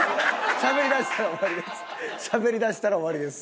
しゃべりだしたら終わりです。